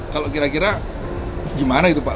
kalau kira kira gimana itu pak